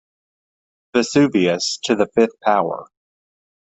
Vesuvius to the fifth power.